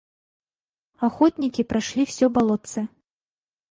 Охотники прошли всё болотце.